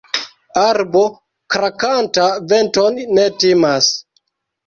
Arbo krakanta venton ne timas.